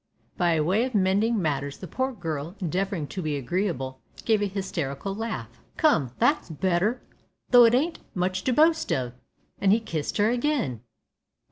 By way of mending matters the poor girl, endeavouring to be agreeable, gave a hysterical laugh. "Come, that's better, though it ain't much to boast of," and he kissed her again.